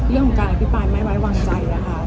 เรื่องของการอภิปรายไม่ไว้วางใจนะคะ